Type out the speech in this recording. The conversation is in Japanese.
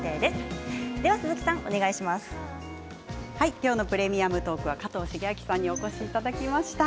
今日の「プレミアムトーク」は加藤シゲアキさんにお越しいただきました。